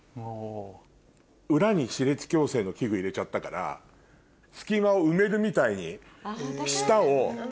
裏に歯列矯正の器具入れちゃったから隙間を埋めるみたいに。